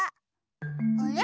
あれ？